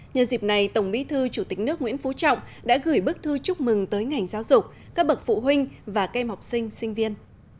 nhân dịp này tổng bí thư chủ tịch nước nguyễn phú trọng đã gửi bức thư chúc mừng tới ngành giáo dục các bậc phụ huynh và các em học sinh sinh viên